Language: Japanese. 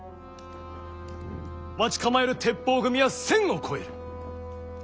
待ち構える鉄砲組は１，０００を超える。